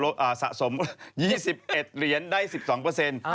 สะสมยี่สิบเอ็ดเหรียญได้สิบสองเปอร์เซ็นต์